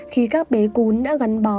khi các bé cún đã gắn bó